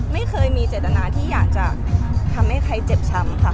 ไม่เคยมีเจตนาที่อยากจะทำให้ใครเจ็บช้ำค่ะ